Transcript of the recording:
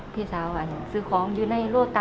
พี่สาวซื้อของอยู่ในโลตา